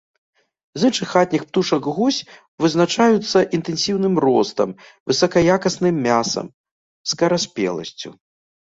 З іншых хатніх птушак гусь вызначаюцца інтэнсіўным ростам, высакаякасным мясам, скараспеласцю.